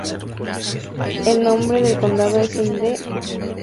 El nombre del condado es el de "Frederick Calvert", sexto Barón de Baltimore.